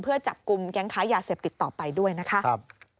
เพื่อจับกลุ่มแก๊งค้ายาเสพติดต่อไปด้วยนะคะ